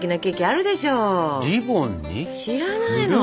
知らないの？